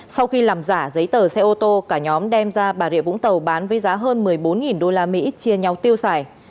sau khi làm giả giấy tờ xe ô tô cả nhóm đem ra bà rịa vũng tàu bán với giá hơn một mươi bốn usd chia nhau tiêu xài